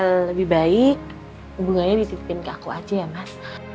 lebih baik hubungannya dititipin ke aku aja ya mas